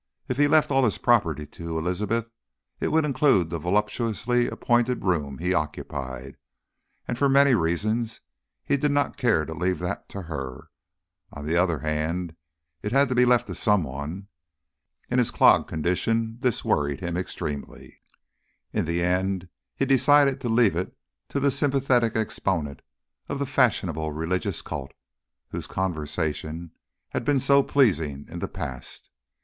If he left all his property to Elizabeth it would include the voluptuously appointed room he occupied, and for many reasons he did not care to leave that to her. On the other hand, it had to be left to some one. In his clogged condition this worried him extremely. In the end he decided to leave it to the sympathetic exponent of the fashionable religious cult, whose conversation had been so pleasing in the past.